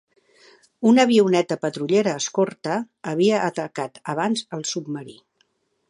Una avioneta patrullera escorta havia atacat abans el submarí.